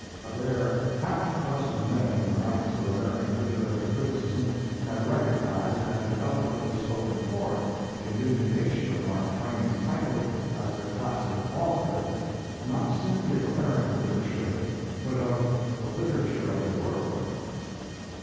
A bare half dozen men in the ranks of American literary criticism have recognized and eloquently spoken forth in vindication of Mark Twain's title as a classic author, not simply of American literature, but of the literature of the world.